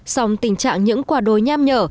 xong tình trạng những quả đồi nham nhở